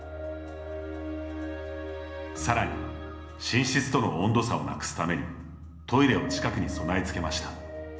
さらに、寝室との温度差をなくすためにトイレを近くに備え付けました。